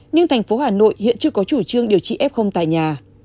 nhưng thành phố hà nội hiện chưa có chủ trương điều trị f tại nhà